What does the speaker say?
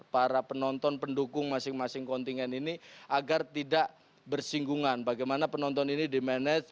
para penonton pendukung masing masing kontingen ini agar tidak bersinggungan bagaimana penonton ini dimanage